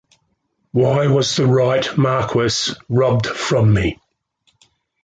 Why was the Right Marquess robbed from me?